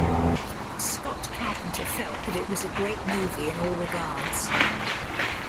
Scott Carpenter felt that it was a "great movie in all regards".